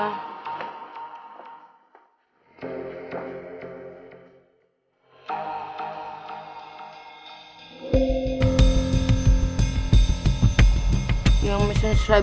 yang missnya serabi tuh gila